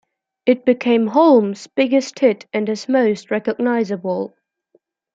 It became Holmes' biggest hit, and his most recognizable.